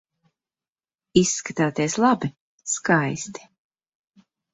Izskatāties labi, skaisti.